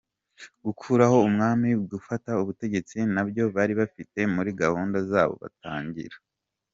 Gukuraho umwami, gufata ubutegetsi, ntabyo bari bafite muri gahunda zabo batangira.